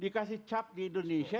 dikasih cap di indonesia